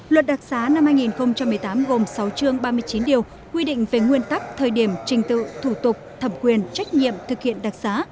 luật đặc giá năm hai nghìn một mươi tám gồm sáu chương ba mươi chín điều quy định về nguyên tắc thời điểm trình tự thủ tục thẩm quyền trách nhiệm thực hiện đặc xá